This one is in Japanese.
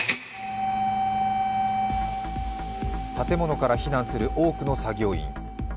建物から避難する多くの作業員。